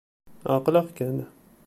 Ɛeqleɣ-ken.